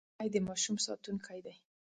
سپي د ماشوم ساتونکي دي.